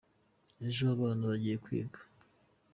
Ejo abana bagiye kwiga.